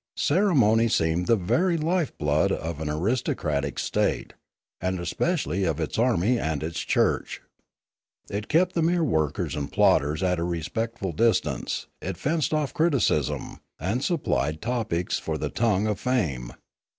Ceremony seemed the very life blood of an aristocratic state, and especially of its army and its church. It kept the mere workers and plodders at a respectful distance, it fenced off criticism, and supplied topics for the tongue of fame.